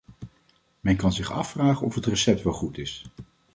Men kan zich afvragen of het recept wel goed is.